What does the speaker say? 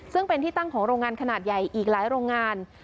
ซึ่งเป็นที่ตั้งของโรงงานขนาดใหญ่อีกหลายโรงงาน